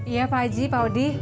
iya pak haji pak odi